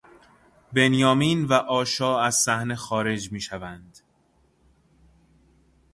بنیامین و آشا از صحنه خارج می شوند